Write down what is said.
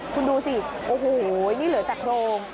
คุณดูสิโอ้โหนี่เหลือแต่โครง